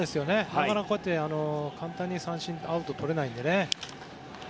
なかなか簡単に三振アウト取れないのでね。